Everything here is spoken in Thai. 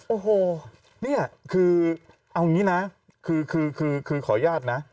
โอ้โหนี่คือเอางี้นะคือคือขออนุญาตนะ